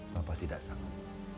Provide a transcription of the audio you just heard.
papa tidak sanggup